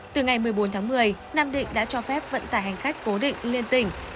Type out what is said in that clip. từ ngày một mươi bốn tháng một mươi nam định đã cho phép vận tải hành khách cố định liên tỉnh